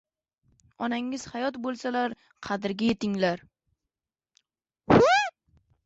Onangiz hayot boʻlsalar qadriga yetinglar...